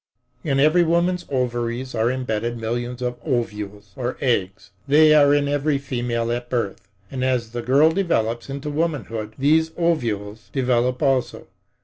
In every woman's ovaries are imbedded millions of ovules or eggs. They are in every female at birth, and as the girl develops into womanhood, these ovules develop also.